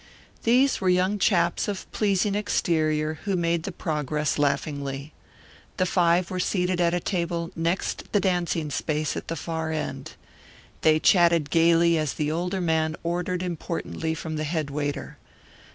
These were young chaps of pleasing exterior who made the progress laughingly. The five were seated at a table next the dancing space at the far end. They chatted gayly as the older man ordered importantly from the head waiter.